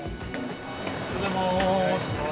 おはようございます。